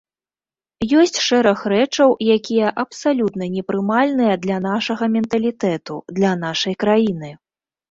Ёсць шэраг рэчаў, якія абсалютна непрымальныя для нашага менталітэту, для нашай краіны.